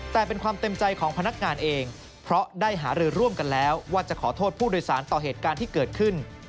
แต่เป็นความเต็มใจของพนักงานเองเพราะได้หารือร่วมกันแล้วว่าจะขอโทษผู้โดยสารต่อเหตุการณ์ที่เกิดขึ้น